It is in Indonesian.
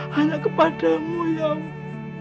hanya kepadamu ya allah